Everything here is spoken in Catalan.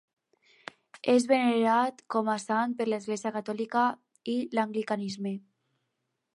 És venerat com a sant per l'Església Catòlica i l'anglicanisme.